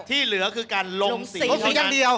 ที่เหลือคือการลงสีเท่านั้น